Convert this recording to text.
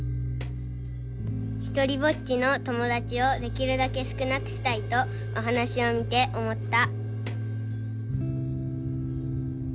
「一人ぼっちの友だちをできるだけ少なくしたいとお話しを見て思った」。